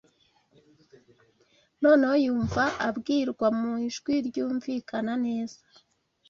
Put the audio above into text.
noneho yumva abwirwa mu ijwi ryumvikana neza